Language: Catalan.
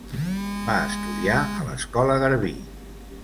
Va estudiar a l'Escola Garbí.